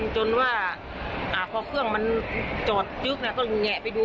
จนว่าพอเครื่องมันจอดยึกก็แงะไปดู